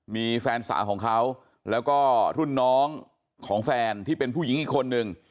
มีแฟนสาวของเขาแล้วก็รุ่นน้องของแฟนที่เป็นผู้หญิงอีกคนนึง